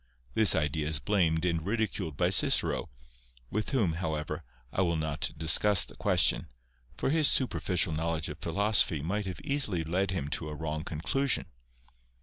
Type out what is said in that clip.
This idea is blamed and ridiculed by Cicero, with whom, however, I will not discuss the question, for his superficial knowledge of philosophy might have easily led him to a wrong conclusion.